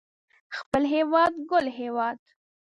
خپل هيواد ګل هيواد